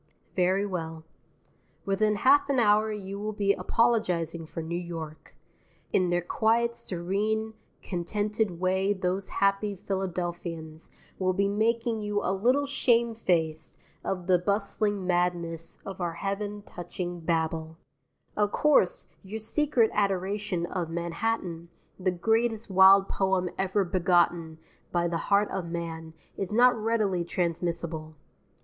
Very well. Within half an hour you will be apologizing for New York. In their quiet, serene, contented way those happy Philadelphians will be making you a little shame faced of the bustling madness of our heaven touching Babel. Of course, your secret adoration of Manhattan, the greatest wild poem ever begotten by the heart of man, is not readily transmissible.